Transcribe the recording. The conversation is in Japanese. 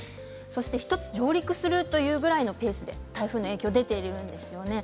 １つは上陸するというくらいのペースで台風の影響が出ているんですよね。